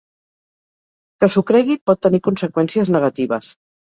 Que s'ho cregui pot tenir conseqüències negatives.